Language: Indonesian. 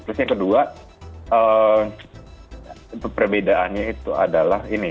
terus yang kedua perbedaannya itu adalah ini